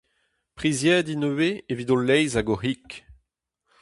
Priziet int ivez evit o laezh hag o c'hig.